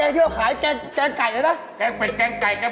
แกงเหมือนแก่ไก่นะ